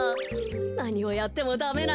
なにをやってもダメなんだ。